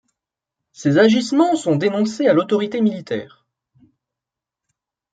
Ces agissements sont dénoncés à l'autorité militaire.